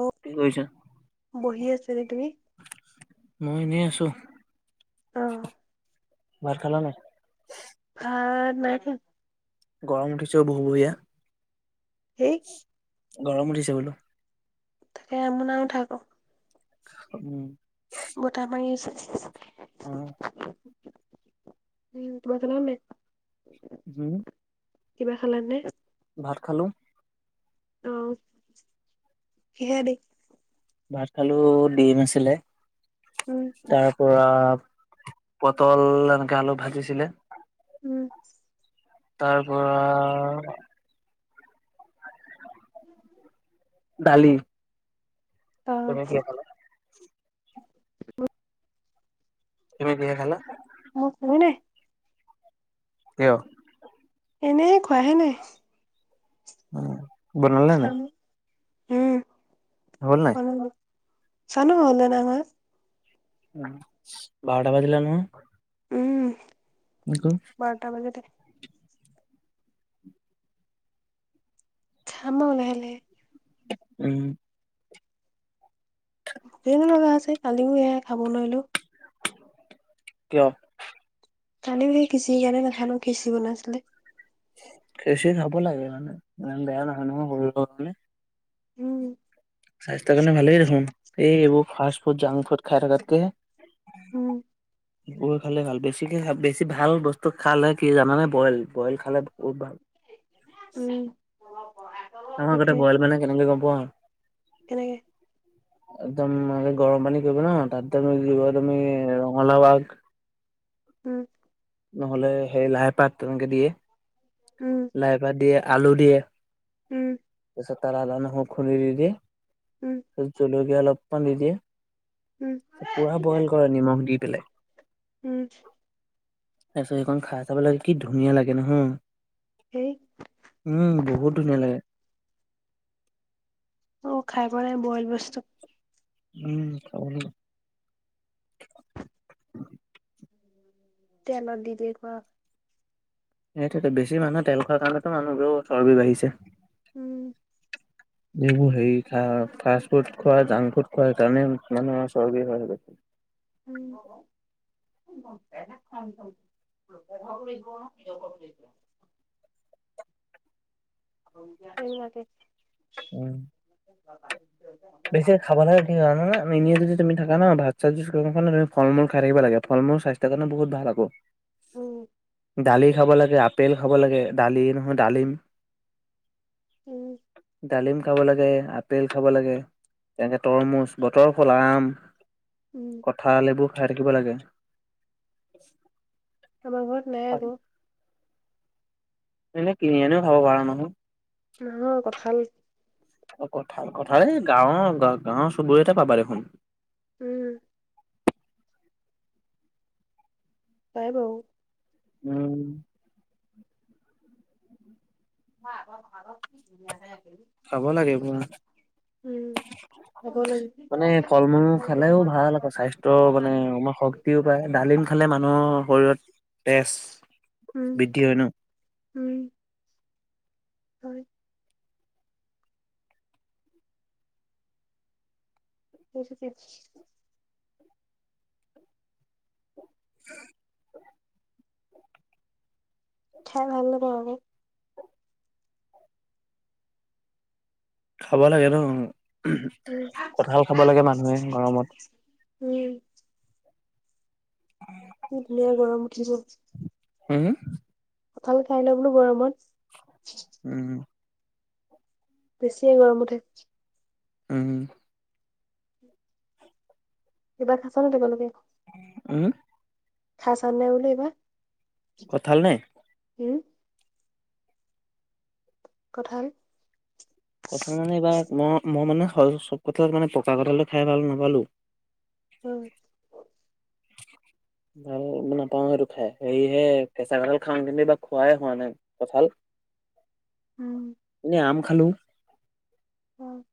অ, কি কৰিছা? বহি আছো এনেই তুমি? মই এনেই আছো, অ ভাত খালা নাই? ভাত নাই খোৱা। গৰম উঠিছে অ বহু বঢ়িয়া। সেই গৰম উঠিছে বোলো। তাকে আমো নাই উঠা ক। উম। বতাহ মাৰি আছে চিক চিককে। অ। উম, তোমাৰ ফালেওনে? হোম। কিবা খালা নে? ভাত খালোঁ। অ, কিহে দি? ভাত খালো, ডিম আছিলে। উম। তাৰ পৰা পটল এনেকে আলু ভাজিছিলে। উম। তাৰ পৰা দালি। তুমি কিহে [unintelligible] খালা? তুমি কিহে খালা? মই খোৱাই নাই। কিয়? এনেই খোৱাহে নাই। ওম। খাম, উম। হ'ল নাই। হ'লে হ'ল, জানো হল নে নাই হোৱা? বাৰটা বাজিলে নহয় উম [unintelligible] বাৰটা বাজিলে খাম আৰু লাহে লাহে উম ধেইনো লগা আছে কালিও এয়া খাব নোৱাৰিলো কিয় কানিভি কিঁচি সেই কাৰণে নাখলো খিচিৰি বনাইছিলে খিচিৰি খাব লাগে মানে ইমান বেয়া নহয় নহয় সৰু লোৱা কাৰণে উম স্বাস্থ্যৰ কাৰণে ভাল দেখোন এই এইবোৰ ফাচ ফুড জাংক ফুড খাই থকাত কে উম বইল খালে ভাল বেছিকে বেছি ভাল বস্তু খালে কি জানে বইল বইল খালে বহুত ভাল উম আমাৰ তাকে আগতে বইল মানে কেনেকে গম পোৱা কেনেকে একদম মানে গৰম পানী কৰিবা ন তাত ডাঙৰি তুলিব তুমি দিব ৰঙালাও আগ উম নহ'লে সেই লাই পাত তেনেকে দিয়ে। উম। লাইপাত দিয়ে আলু দিয়ে। উম। তাৰপাছত তাত আদা নহৰো খুুলি দি দিয়ে। উম। জলকীয়া অলপান দি দিয়ে। উম পুৰা বইল কৰে নিমখ দি উম পেলাই। তাৰপিছত সেইখন খাই চাব লাগে কি ধুনীয়া লাগে নহয়। সেই উম বহুত ধুনীয়া লাগে। অ খাই পোৱা নাই বইল বস্তু। উম খাব লাগিব। তেলত দি দিয়ে খোৱা হয়। সেইটো বেছি মানুহে তেল খোৱাৰ কাৰণেতো মানুহবোৰ চৰ্বি বাঢ়িছে। উম। এইবোৰ হেৰি ফাষ্ট ফুড খোৱা জাংক ফুড খোৱা সেইকাৰণে মানুহম চৰ্গী হয় বেছি। উম। [unintelligible] [unintelligible] উম। [unintelligible] বেছি খাব নে? তুমি জানানে এনে যদি তুমি থাকা ন ভাত চাত যদি খোৱা নহয় ফল মূল খাই থাকিব লাগে ফল-মূল স্বাস্থ্যৰ কাৰণে বহুত ভাল আকৌ। উম। দালি খাব লাগে আপেল খাব লাগে দালি নহয় দালিম। উম। ডালিম খাব লাগে আপেল খাব লাগে। একে তৰমুজ বতৰ ফল আম। উম। কঠাল এইবোৰ খাই থাকিব লাগে। আমাৰ ঘৰত নাই আক। এনে কিনি আনিও খাব পাৰা নহয়। নহয় কঠাল অ কঁঠাল, কঁঠাল এই গাঁৱৰ গাঁৱৰ চুবুৰিতে পাবা দেখোন। উম। পাই বাও। উম। [inaudible] খাব লাগে এইবোৰ উম। উম। খাব লাগে। মানে ফল মূল খালেও ভাল [inaudible] প্ৰ্যাই ডালিম খালে মানুহৰ শৰীৰত তেজ উম বৃদ্ধি হয় ন উম। হয়। [inaudible] [unintelligible] খাই ভাল নেপাওঁ আমি। খাব লাগে ন, উম কঠাল খাব লাগে মানুহে গৰমত। উম। কি ধুনীয়া গৰম উঠিব। মানে কঁঠাল খাই ল বোলো গৰমত। উম উম। বেছি গৰম উঠে। উম উম। [inaudible] উম। খাইছা নে বোলো এইবাৰ? কঠাল নে? উম। কঠাল কঠাল মানে এইবাৰ ম মই মানে চব কঠাল মানে পকা কঠাল খাই ভাল নাপালো। উম। ভাল নাপাওঁ সেইটো খাই সেৰিহে কেঁচা কঁঠাল খাং কিন্তু বা খোৱাই হোৱা নাই কঁঠাল। উম। এনেই আম খালো। অ',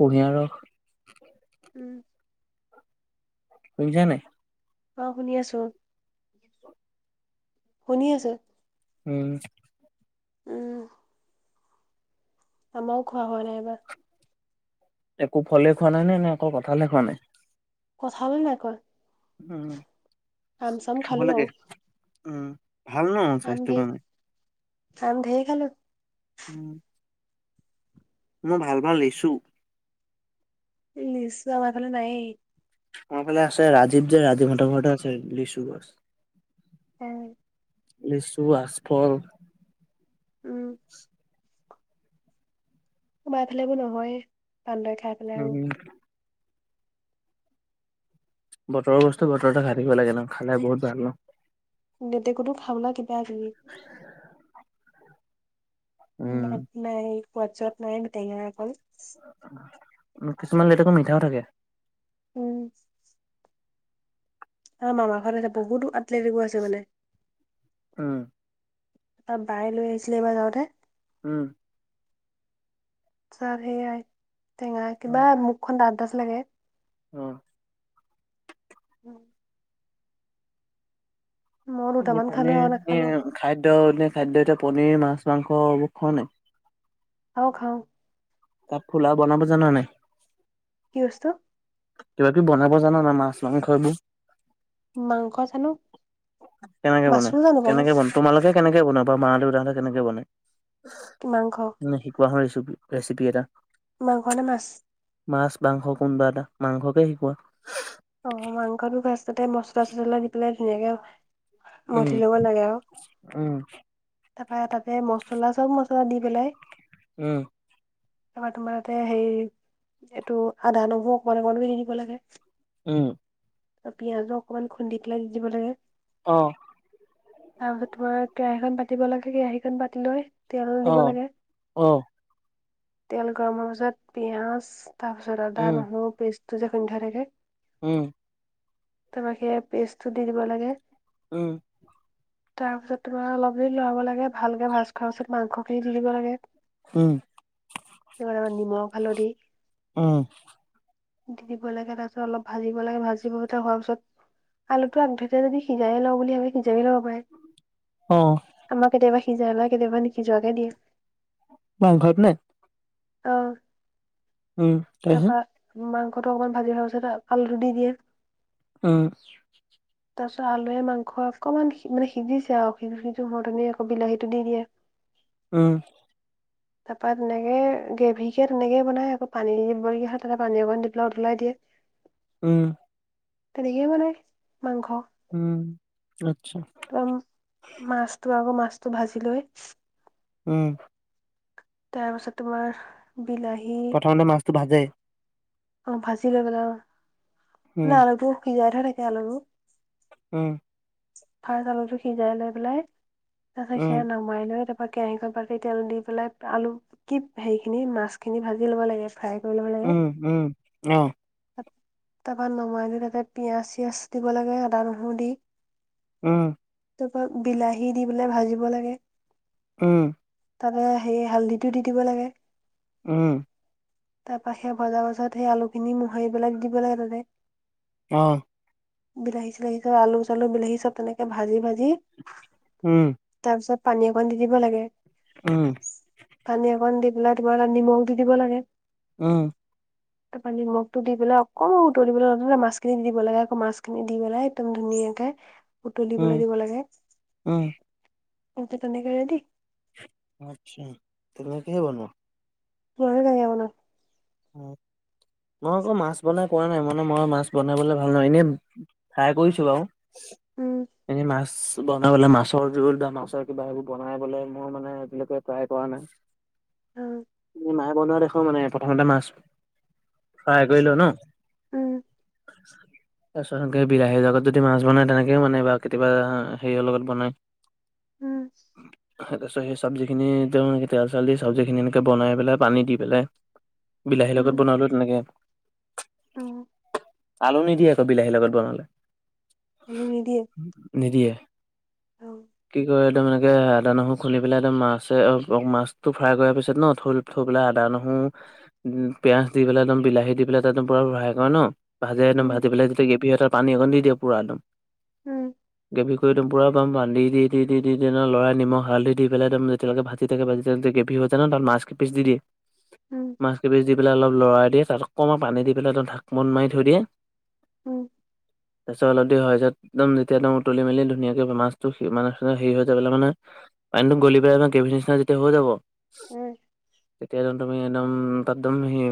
কুঁহিয়া ৰস। উম। শুনিছা নাই? অ শুনি আছো। শুনি আছোঁ। উম। উম। আমাও খোৱা হোৱা নাই এইবাৰ। একো ফলে খোৱা নাই নে, নে অকল কঠালহে খোৱা নাই? কঁঠালো নাই খোৱা। উম, আম চাম খাব খালো লাগে, বাৰু, উম, ভাল ন' আম স্বাস্থ্য ধেৰ, কাৰণে। আম ঢেৰ খালো। উম। মই ভাল‌ পাওঁ লেচু। লিচু আমাৰ ফালে নায়েই। আমাৰ ফালে আছে। ৰাজীৱ যে, ৰাজীৱহঁতৰ ঘৰতে আছে লিচু গছ। [inaudible] লিচু, আচফল, উম। আমাৰ এফালে এবোৰ নহয়ে, বান্দৰে খা উম। বতৰৰ বস্তু বতৰতে খাই থাকিব লাগে ন', খালে বহুত ভাল ন'। লেটেকুটো [unintelligible] কিবা কিবি মাত উম, নাই, সোৱাদ - চুৱাদ নাই, টেঙা অকল। কিছুমান লেটেকু মিঠাও থাকে। উম। আমাৰ মামা ঘৰত আছে, বহুতো আত লেটেকু আছে মানে। উম। বাৰ বায়ে লৈ আহিছিলে এইবাৰ যাওঁতে। উম। চব সেইয়াই, টেঙা, কিবা মুখখন ডাঠ ডাঠ লাগে। অ'। মই এনে দুটামান খালো পনিৰ আৰু নাখালো এ খাদ্য নে খাদ্য এতিয়া পনিৰ, মাছ-মাংস এইবোৰ খোৱা নাই? খাওঁ খাওঁ। তাত ফুলাও বনাব জান নাই? কি বস্তু? কিবা কিবি বনাব জান না মাছ, মাংস এইবোৰ? মাংস জানো কেনেকে মাছো বনায়, জানো বাৰু কেনেকে বনা তোমালোকে কেনেকে বনোৱা বা মা-দেউতাহঁতে কেনেকে বনায়? মাংস মানে কোৱা হয় ৰেচিপি- ৰেচিপি এটা। মাংস নে মাছ? মাছ, মাংস কোনবা এটা, মাংসকে শিকোৱা। অ' মাংসটো ফাষ্টতে মছলা-চচলা দি পেলাই ধুনীয়াকে উম মঠি ল'ব লাগে আৰু। উম তাৰপা তাতে মছলা- চব মছলা দি পেলাই উম। এবাৰ তোমাৰ তাতে হে এইটো আদা, নহৰু অকমান অকমান কে দি দিব লাগে। উম। পিয়াজো অকণমান খুন্দি পেলাই দি দিব লাগে। অ'। তাৰপিছত তোমাৰ কেৰাহীখন পাতিব লাগে, কেৰাহীখন পাতি লৈ তেল অ দিব লাগে, অ তেল গৰম হোৱাৰ পিছত পিয়াজ তাৰ পাছত আদা উম নহৰু পেষ্টটো যে খুন্দি থোৱা থাকে। উম তাৰ পা সেইয়া পেষ্টটো দি দিব লাগে। উম [inaudible] তাৰপিছত তোমাৰ অলপ দেৰি লৰাব লাগে ভালকে ভাজ খোৱাৰ পিছত মাংসখিনি দি দিব লাগে। উম এইবাৰ অলপ নিমখ হালধি উম দি দিব লাগে তাৰ পিছত অলপ ভাজিব লাগে ভাজিবতে হোৱাৰ পিছত। আলুটো আগধৰিতে যদি সিজাই লওঁ বুলি ভাবি সিজাই ল'ব পাৰে। অ আমাৰ কেতিয়াবা সিজাই বা কেতিয়াবা নিসিজোৱাকে দিয়ে। মাংসত নে? অ উম তাৰপিছত তাৰপা মাংসটো অকমান ভাজি হোৱা পাছতে আলুটো দি দিয়ে। উম [inaudible] তাৰপিছত আলুৱে মাংস অকণমান মানে সিজিছে আৰু সিজো সিজো হও তেনেতে আকৌ বিলাহীটো দি দিয়ে। [inaudible] উম [inaudible] তাৰপৰা তেনেকে গ্ৰেভী কে তেনেকে বনাই আকৌ পানী দিবলগীয়া হয় তাতে পানী অকণ দি পেলাই উতলাই দিয়ে। উম তেনেকেই বনায় মাংস। উম আচ্ছা ত মাছটো আকৌ মাছটো ভাজি লৈ উম তাৰ পিছত তোমাৰ বিলাহী। প্ৰথমতে মাছটো ভাজে? অ ভাজি লৈ পেলায় অ উম মানে আলুটো সিজাই থোৱা থাকে আলুটো উম তাৰ আলুটো সিজাই লৈ পেলাই তাৰিছত উম সেয়া নাম সোমাই লৈ তাৰপৰা কেৰাহীখন পাতি তেল দি পেলাই আলু কি হেৰিখিনি মাছখিনি ভাজি ল'ব লাগে ফ্ৰাই কৰি মানে উম উম অ তাত তাৰপৰা নমাই দি তাতে পিয়াঁজ চিয়াজ দিব লাগে আদা নহৰু দি উম তাৰপা বিলাহী দি পেলাই ভাজিব লাগে উম তাতে সেই হালধিটো দি দিব লাগে উম তাৰপা সেই ভজা পাছত সেই আলুখিনি মোহাৰি পেলাই দিব লাগে তাতে অ বিলাহী-চলাহী চব আলু-চালু বিলাহী চব তেনেকে ভাজি ভাজি উম',। তাৰ পিছত পানী অকণ দি দিব লাগে। উম',। পানী অকন দি পেলাই তোমাৰ নিমখ দি দিব লাগে। উম',। পালে মোক দি পেলাই অকণ উতলিব দিবলৈ মাছখিনি দি দিব লাগে, আকৌ মাছখিনি দি পেলাই একদম ধুনীয়াকে উম উতলিবলৈ দিব লাগে, উম তেনেকে ৰেডি। আচ্ছা', তুমি কিহে বনোৱা? মইওঁ বহিয়া বনাও। মই আকৌ মাছ বনাই কোৱা নাই, মানে মই মাছ বনাবলে ভাল নহ এনে খাই কৈছো বও। উম',। এনেই মাছ বনাবলে মাছৰ জোল বা মাছৰ কিবা সেবোৰ বনাই বলে মোৰ মানে একুৱে ট্ৰাই কৰা নাই। উ মাহে বনোৱা দেখো মানে, প্ৰথমতে মাছ ফ্ৰাই কৰি লো ন'? উম',। [inaudible] তাৰপিছত সনেকে বিলাহীৰ জগত যদি মাছ বনায়, তেনেকেও মানে বা কেতিয়াবা হেৰিয়ৰ লগত বনায়। উম',। তাৰপিছত সেই চবজিখিনি তেওঁনেকৈ তেল-চেল দি চবজিখিনি এনেকৈ বনাই পেলাই পানী দি পেলাই বিলাহীৰ উম লগত বনালো তেনেকে উম। আলু নিদিয়ে আকৌ বিলাহীৰ লগত বনালে। আলু নিদিয়ে? নিদিয়ে, অ', কি কয় তাৰ মানে তে আদা, নহৰু খুন্দুলি পেলাই একদম মাছে মাছ টো ফ্ৰাই কৰাৰ পিছত ন', থ'- থৈ পেলাই আদা, নহৰু পিয়াজ দি পেলাই একদম বিলাহি দি পাই ত' একদম পুৰা ফাই কৰে ন', ভাজে একদম উম ভাজি পেলাই যেতিয়া গ্ৰেভী এটা পানী অকণ দি দিয়ে পুৰা একদম। উম',। গেভি কৰিদম পুৰাম বান্ধি দি- দি- দি- দি- দি লৰাই নিমখ হালধি দি পেলাই একদম তেতিয়ালেকে ভাজি থাকে ভাজি থাকে গ্ৰেভি হৈ যাই ন', তাত মাছ কিপিছ দি দিয়ে। উম',। মাছ কেইপিচ দি পেলাই অলপ লৰাই দিয়ে, তাত অকণমান পানী দি পেলাই অ' ঢাকোন মাৰি থৈ দিয়ে উম',। তাৰপছত অলপ দি হয় যে, একদম যেতিয়া একদম উতলি মেলি ধুনীয়াকে মাছটো মানে হেৰি হৈ যায় পেলাই মানে পানীতো গলি পেলাই একদম গ্ৰেভি নিচিনা যেতিয়া হৈ যাব, উম তেতিয়া চোন তুমি একদম তাত একদম সেই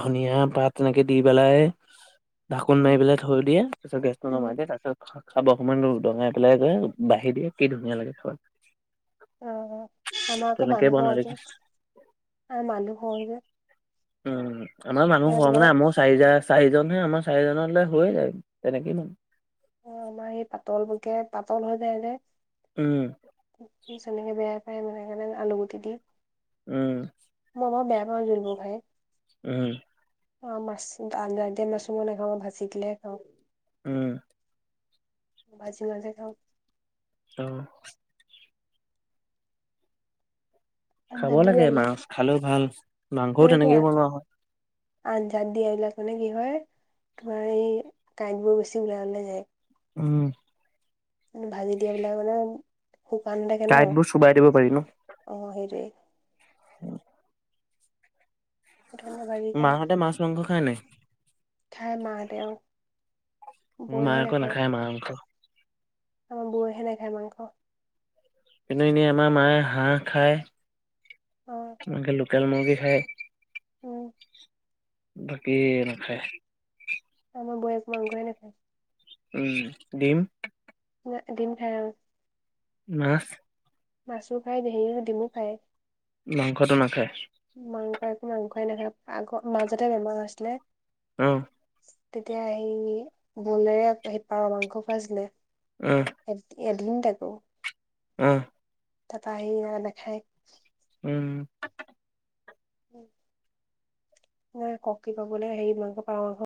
ধনিয়া পাত এনেকৈ দি পেলাই। ঢাকোন মাৰি উম পাই থৈ দিয়ে, তাৰিছত গেছটো উম নমাই দিয়ে তাৰপছত খাব সময়ত অকণমান দঙাই পেলাই গৈ বাঢ়ি দিয়ে, কি ধুনীয়া লাগে খাব, অ', আম আক তেনেকে মানুহ বনাই খৰহ দেখিছো যে, মানুহ খৰহ যে। উম', আমাৰ মানুহ ঘৰ মানে আমাৰ চাৰি চাৰিজনহে আমাৰ চাৰিজনলৈ হৈয়ে যায়, তেনেকে মানে। অ', আমাৰ সেই পাতলকে, পাতল হৈ যায় যে। উম',। যেনেকৈ বেয়াই পায় সনেণে আলুগুটি দি উম মই মই বেয়া পাওঁ জোলবোৰ খাই উম অ মাছ আয়তিয়েম আছিলে নেখাওঁ ভাজি দিলে খাওঁ উম ভাজি মাজে খাওঁ অ খাব আঞ্জাত দিয়া লাগে এইবিলাক মাছ খালেও ভাল মাংসও মানে কি তেনেকে বনোৱা হয় আঞ্জাত দি আহিলা মানে কি হয় তোমাৰ এই কাঁইটবোৰ বেছি ওলাই ওলাই যায় উম ভাজি দিয়া বিলাক মানে শুকান হৈ থাকে ন কাঁইটবোৰ চোবাই দিব পাৰি ন অ সেইটোৱেই ধুনীয়া বাৰী মাহঁতে মাছ মাংস খাই নাই খাই মা হঁতে অ মোৰ মা অক নাখায় মাংস আমাৰ বৌ সে নাখায় মাংস কিন্তু এনেই আমাৰ মায়ে হাঁহ অ খায় এনেকৈ লোকেল মুৰ্গী খায় উম বাকী নাখাই আমাৰ বৌৱে একো মাংসয়েই নাখায় উম দিম দিম খাই আৰু মাছ মাছো খায় সেই দিমো খায় মাংসটো নাখায় মাংস একো মাংসই নাখায় আগৰ মাজতে বেমাৰ হৈছিলে উম, তেতিয়া সি বলেৰে সেই পাৰ মাংস খোৱাইছিলে উম এ এদিন তাকো অহ, তাত আহি নাখায় উম, ন কক্কি পাবলৈ হেৰি মাংস পাৰ মাংস